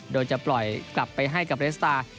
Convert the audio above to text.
โดยจะปล่อยกลับไปให้กับเรสตาร์